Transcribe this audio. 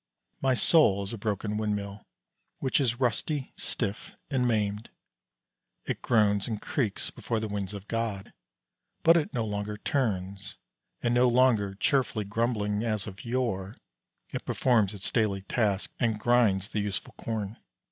My soul is a broken windmill which is rusty, stiff, and maimed; it groans and creaks before the winds of God, but it no longer turns; and no longer, cheerfully grumbling as of yore, it performs its daily task and grinds the useful corn.